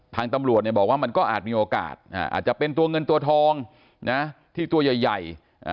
ทางตำรวจบอกว่ามันก็อาจมีโอกาสอาจจะเป็นตัวเงินตัวทองนะที่ตัวใหญ่